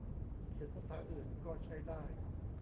เขียนภาษาอื่นก็ใช้ได้